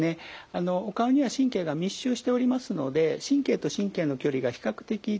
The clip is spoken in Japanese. あのお顔には神経が密集しておりますので神経と神経の距離が比較的近いものもあります。